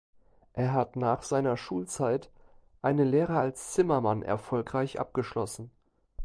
Er hat nach seiner Schulzeit eine Lehre als Zimmermann erfolgreich abgeschlossen.